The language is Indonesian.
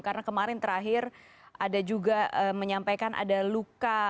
karena kemarin terakhir ada juga menyampaikan ada luka barang